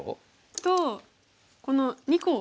とこの２個を。